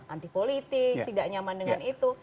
anti politik tidak nyaman dengan itu